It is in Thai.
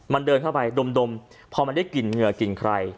มันเดินเข้าไปดมพอมันได้กลิ่นเหงื่อกลิ่นใคร